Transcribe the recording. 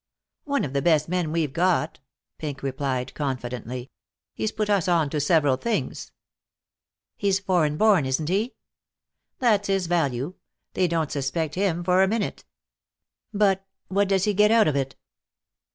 "One of the best men we've got," Pink replied, confidently. "He's put us on to several things." "He's foreign born, isn't he?" "That's his value. They don't suspect him for a minute." "But what does he get out of it?"